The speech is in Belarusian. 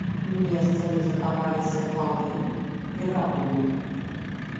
Месцамі захаваліся валы і равы.